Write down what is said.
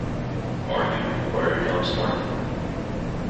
“Are you?” inquired Tom Smart.